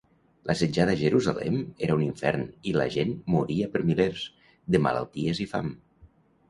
L'assetjada Jerusalem era un infern i la gent moria per milers, de malalties i fam.